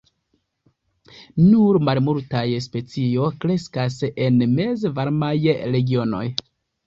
Nur malmultaj specio kreskas en mezvarmaj regionoj.